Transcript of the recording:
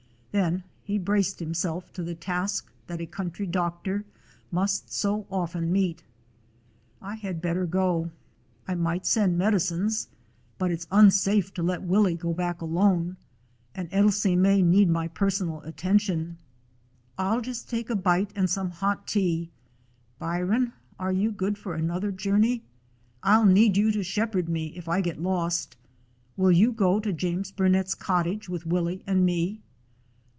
Then he braced himself to the task that a country doctor must so often meet. "I had better go. I might send medicines, but it 's unsafe to let Willie go back alone, 140 A DOG OF SCOTLAND and Ailsie may need my personal attention. 1 11 just take a bite and some hot tea. By ron, are you good for another journey? I 'll need you to shepherd me if I get lost. Will you go to J ames Burnet's cottage with Willie and me?"